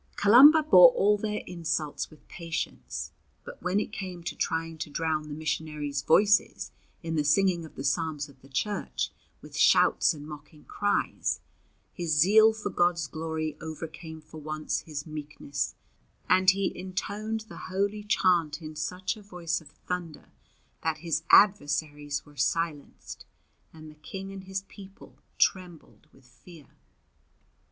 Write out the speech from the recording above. Columba bore all their insults with patience; but when it came to trying to drown the missionaries' voices in the singing of the psalms of the Church with shouts and mocking cries, his zeal for God's glory overcame for once his meekness, and he intoned the holy chant in such a voice of thunder that his adversaries were silenced, and the King and his people trembled with fear.